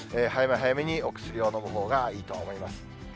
早め早めにお薬を飲むほうがいいと思います。